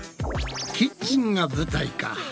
キッチンが舞台か。